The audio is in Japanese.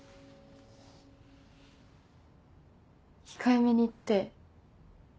控えめに言って。